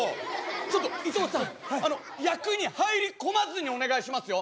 ちょっと伊藤さんあの役に入り込まずにお願いしますよ。